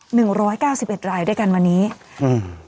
หนึ่งร้อยเก้าสิบเอ็ดรายด้วยกันวันนี้อืม